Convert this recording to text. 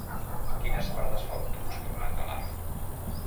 Quines parades fa l'autobús que va a Talarn?